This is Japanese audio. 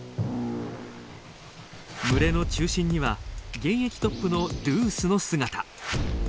群れの中心には現役トップのドゥースの姿。